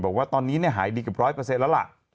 บอกว่าตอนนี้หายดีเกือบ๑๐๐แล้วล่ะ